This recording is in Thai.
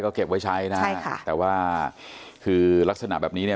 ก็เก็บไว้ใช้น่าใช่ค่ะก็คือลักษณะแบบนี้เนี้ย